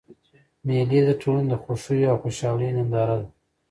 مېلې د ټولني د خوښیو او خوشحالۍ ننداره ده.